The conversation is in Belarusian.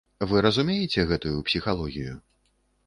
Вы разумееце гэтую псіхалогію?